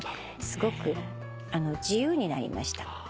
すごく自由になりました。